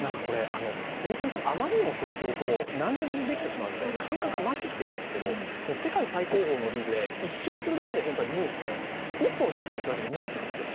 大谷さん、あまりにもひょうひょうと何でもできてしまうので感覚がまひしてくるんですけど世界最高峰のリーグで１勝するだけで本当はニュースで、１本ヒットを打つだけでニュースなんですよ。